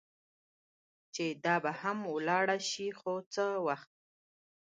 چې دا به هم ولاړه شي، خو څه وخت.